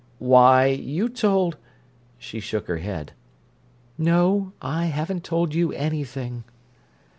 "Why, you told—" She shook her head. "No, I haven't told you anything."